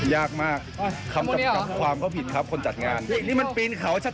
ยากมากคำจำกัดความก็ผิดครับคนจัดงานนี่มันปีนเขาชัด